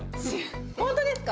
本当ですか？